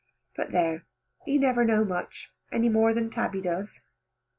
But there, he never know much, any more than Tabby does.